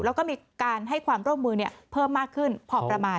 แล้วก็มีการให้ความร่วมมือเพิ่มมากขึ้นพอประมาณ